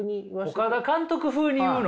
岡田監督風に言うの？